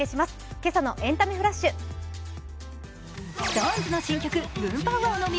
今朝の「エンタメフラッシュ」。